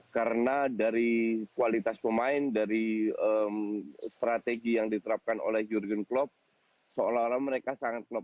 karena dari kualitas pemain dari strategi yang diterapkan oleh jurgen klopp seolah olah mereka sangat klop